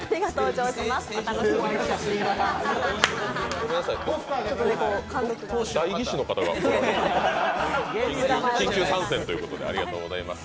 ごめんなさい、代議士の方が緊急参戦ということで、ありがとうございます。